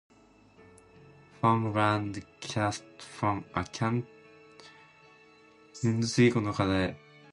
Fong learned Cantonese opera from Kwok Sing Theatre.